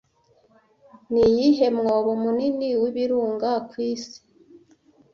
Niyihe mwobo munini w’ibirunga ku isi